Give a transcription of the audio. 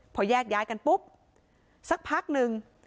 พอแยกย้ายกันปุ๊บสักพักหนึ่ง